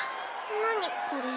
何これ？